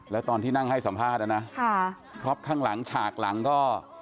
แล้วตอนที่นั่งให้สัมภาษณ์นะครอบข้างหลังฉากหลังก็